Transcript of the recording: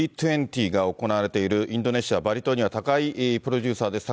Ｇ２０が行われているインドネシア・バリ島には高井プロデューサーです。